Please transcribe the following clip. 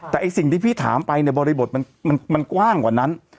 แต่สิ่งที่พี่ถามไปบริบทมันกว้างกว่านั้น